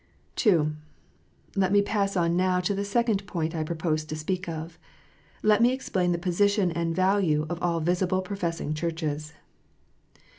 * II. Let me pass on now to the second point I proposed to speak of. Let me explain the position and value of all visible professing Churches.